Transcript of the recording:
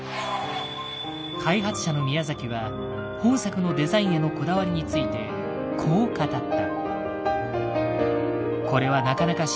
開発者の宮崎は本作のデザインへのこだわりについてこう語った。